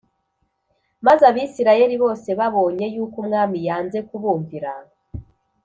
Maze Abisirayeli bose babonye yuko umwami yanze kubumvira